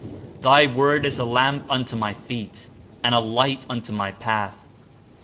''Thy word is a lamp unto my feet, and a light unto my path/' (Ps.